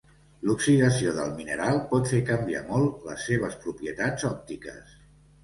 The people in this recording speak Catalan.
L'oxidació del mineral pot fer canviar molt les seves propietats òptiques.